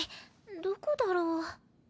どこだろう？